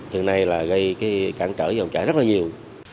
giờ này là gây cản trở dòng chảy rất là nhiều